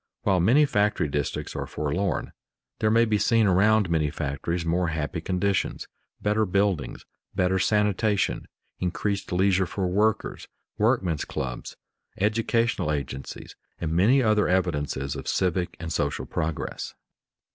While many factory districts are forlorn, there may be seen around many factories more happy conditions, better buildings, better sanitation, increased leisure for workers, workmen's clubs, educational agencies, and many other evidences of civic and social progress.